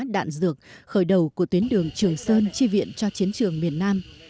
đạn dược khởi đầu của tuyến đường trường sơn chi viện cho chiến trường miền nam